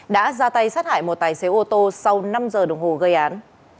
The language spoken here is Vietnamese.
đã ra tay sát hại một tài xế ô tô sau năm giờ đồng hồ gây án